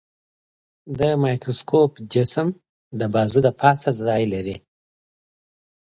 د مایکروسکوپ جسم د بازو د پاسه ځای لري.